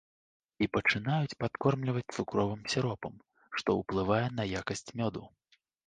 Іх пачынаюць падкормліваць цукровым сіропам, што ўплывае на якасць мёду.